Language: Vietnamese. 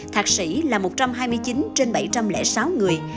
thạc sĩ là một trăm hai mươi chín trên bảy trăm linh sáu người